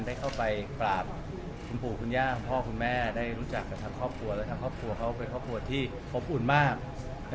แล้วก็จะรักและดูแลพลิกสันนี้ให้ดีนะคะ